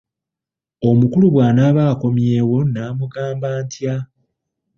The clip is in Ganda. Omukulu bw'anaaba akomyewo naamugamba ntya?